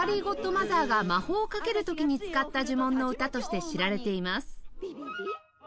マザーが魔法をかける時に使った呪文の歌として知られています